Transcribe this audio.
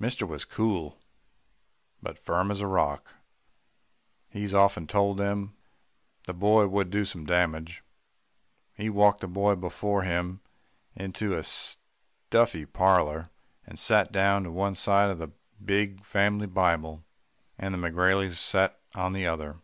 "Mister was cool but firm as a rock he's often told them the boy would do some damage. He walked the boy before him into the stuffy parlour, and sat down on one side of the big family Bible, and the McGraileys sat on the other.